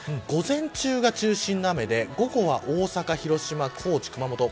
午前中が中心の雨で午後は大阪、広島、高知、熊本